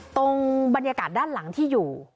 ตรงบรรยากาศด้านหลังที่อยู่